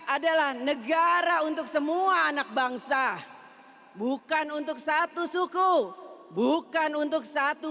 adalah negara untuk semua anak bangsa bukan untuk satu suku bukan untuk satu